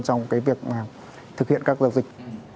trong việc thực hiện các giao dịch